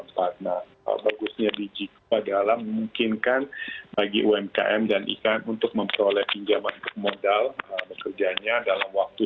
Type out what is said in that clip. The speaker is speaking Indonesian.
nah bagusnya digiku padahal memungkinkan bagi umkm dan ikan untuk memperoleh pinjaman modal bekerjanya dalam waktu sepuluh